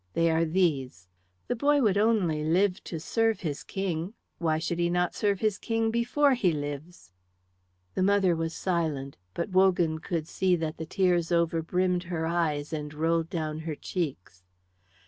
They are these: 'The boy would only live to serve his King; why should he not serve his King before he lives?'" The mother was still silent, but Wogan could see that the tears overbrimmed her eyes and rolled down her cheeks.